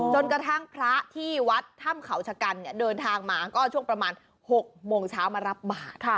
กระทั่งพระที่วัดถ้ำเขาชะกันเดินทางมาก็ช่วงประมาณ๖โมงเช้ามารับบาท